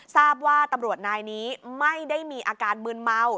ทราบว่าตำรวจนายนี้ไม่ได้มีอาการมืนเมา